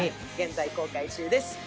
現在公開中です。